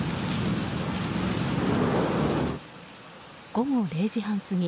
午後０時半過ぎ